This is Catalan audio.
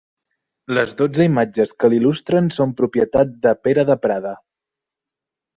Les dotze imatges que l'il·lustren són propietat de Pere de Prada.